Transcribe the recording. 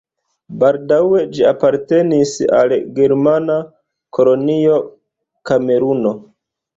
Baldaŭe ĝi apartenis al germana kolonio Kameruno.